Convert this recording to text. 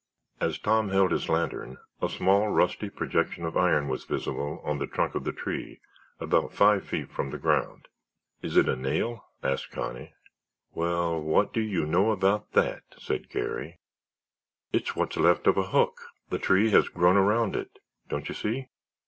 As Tom held his lantern a small, rusty projection of iron was visible on the trunk of the tree about five feet from the ground. "Is it a nail?" asked Connie. "Well what do you know about that?" said Garry. "It's what's left of a hook; the tree has grown out all around it, don't you see?"